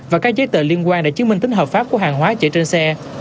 và các giấy tờ liên quan để chứng minh tính hợp pháp của hàng hóa chở trên xe